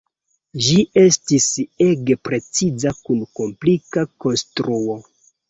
Ĝi estis ege preciza kun komplika konstruo.